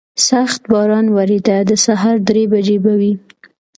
سخت باران ورېده، د سهار درې بجې به وې.